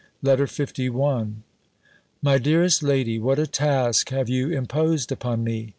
LETTER LI MY DEAREST LADY, What a task have you imposed upon me!